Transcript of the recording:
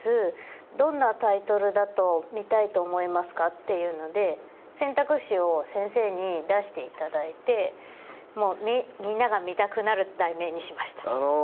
どんなタイトルだと見たいと思いますかっていうので選択肢を先生に出していただいてもうみんなが見たくなる題名にしました。